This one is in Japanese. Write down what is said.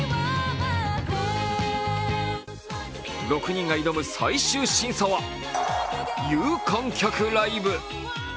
６人が挑む最終審査は有観客ライブ。